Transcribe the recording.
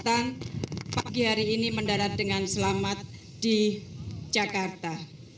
kesehatan pagi hari ini mendarat dengan selamat di jakarta